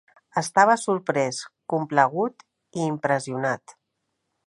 Estava sorprès, complagut i impressionat.